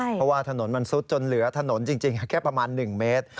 เพราะว่าถนนมันซุดจนเหลือถนนจริงแค่ประมาณ๑เมตร